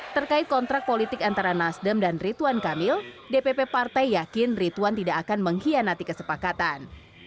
terkait kontrak politik antara nasdem dan rituan kamil dpp partai yakin rituan tidak akan mengkhianati kesepakatan